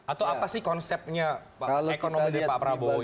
atau apa sih konsepnya ekonomi dari pak prabowo ini